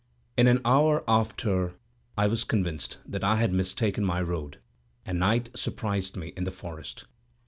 In an hour after, I was convinced that I had mistaken my road, and night surprised me in the forest.